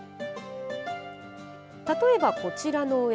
例えば、こちらの絵。